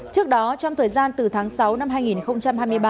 trước đó trong thời gian từ tháng sáu năm hai nghìn một mươi chín